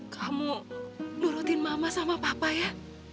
kamu nurutin mama sama papa ya